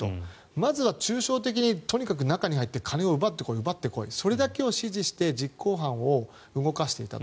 まずは抽象的にとにかく中に入って金を奪ってこい、奪ってこいとそれだけを指示して実行犯を動かしていたと。